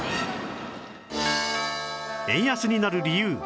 円安になる理由